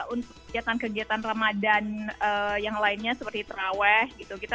untuk kegiatan kegiatan ramadan yang lainnya seperti terawih gitu